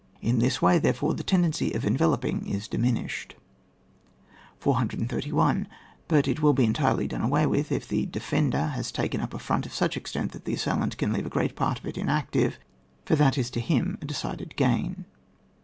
In this way, there fore, the tendency to enveloping is di minished. 431. But it will be entirely done away with if the defender has taken up a front of such extent that the assailant can leave a great part of it inactive, for that is to him a decided gain.